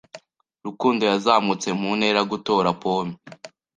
Rukundo yazamutse mu ntera gutora pome.